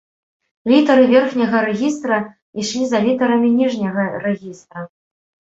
Літары верхняга рэгістра ішлі за літарамі ніжняга рэгістра.